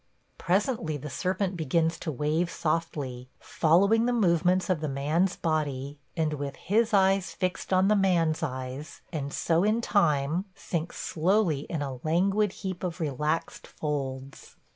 Presently the serpent begins to wave softly, following the movements of the man's body and with his eyes fixed on the man's eyes, and so in time sinks slowly in a languid heap of relaxed folds.